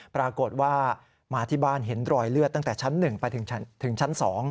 ปรากฏว่ามาที่บ้านเห็นรอยเลือดตั้งแต่ชั้น๑ไปถึงชั้น๒